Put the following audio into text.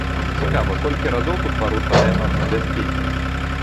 Цікава, колькі разоў тут парушаныя нормы бяспекі?